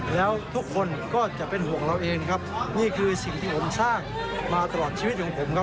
แล้วทุกคนก็จะเป็นห่วงเราเองครับนี่คือสิ่งที่ผมสร้างมาตลอดชีวิตของผมครับ